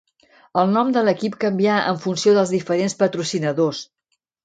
El nom de l'equip canvià en funció dels diferents patrocinadors.